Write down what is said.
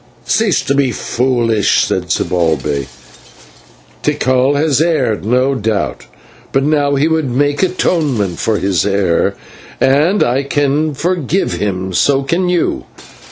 "Cease to be foolish," said Zibalbay. "Tikal has erred, no doubt; but now he would make atonement for his error, and if I can forgive him, so can you.